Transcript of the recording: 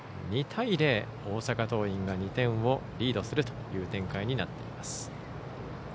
２対０で大阪桐蔭が２点をリードするという展開になっています。